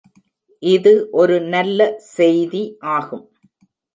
இது ஒரு நல்ல செய்தி ஆகும்.